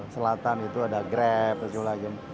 selatan itu ada grab dan sebagainya